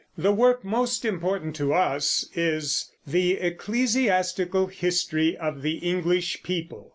The work most important to us is the Ecclesiastical History of the English People.